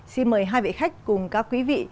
xin mời hai vị khách cùng các quý vị